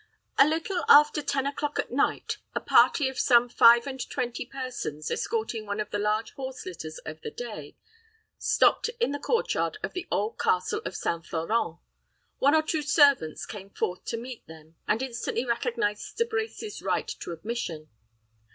A little after ten o'clock at night, a party of some five and twenty persons, escorting one of the large horse litters of the day, stopped in the court yard of the old Castle of St. Florent. One or two servants came forth to meet them, and instantly recognized De Brecy's right to admission.